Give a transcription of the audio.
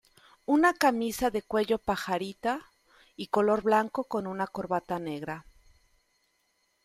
Una camisa de cuello pajarita y color blanco con una corbata negra.